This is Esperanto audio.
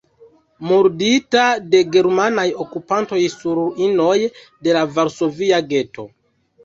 Murdita de germanaj okupantoj sur ruinoj de la Varsovia geto.